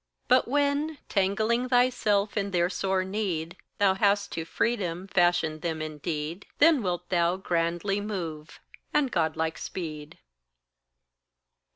But when, tangling thyself in their sore need, Thou hast to freedom fashioned them indeed, Then wilt thou grandly move, and Godlike speed.